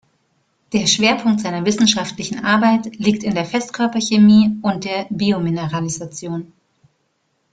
Der Schwerpunkt seiner wissenschaftlichen Arbeit liegt in der Festkörperchemie und der Biomineralisation.